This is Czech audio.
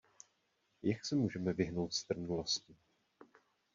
Jak se můžeme vyhnout strnulosti?